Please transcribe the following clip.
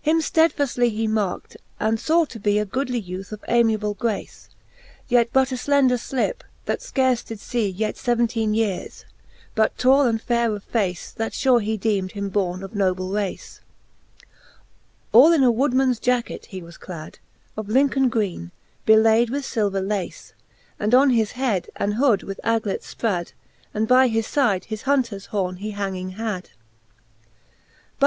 Him ftedfaftly he markt, and faw to bee A goodly youth of amiable grace. Yet but a flender flip, that fcarfe did iee Yet feventeen y eares, but tall and faire of face. That fure he deem'd him borne of noble race. All in a woodmans jacket he was clad Of Lincolne greene, belayd with filver lace^ And on his head an hood with aglets fprad , And by his lide his hunters home he hanging had* VL Bulklns ZZ4 The Jixth Booke of Cant. II. VI.